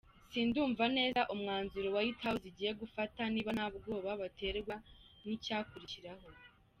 Sindumva neza umwanzuro White House igiye gufata niba nta bwoba baterwa n’icyakurikiraho.